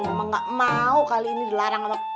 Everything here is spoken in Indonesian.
mama gak mau kali ini dilarang sama bapak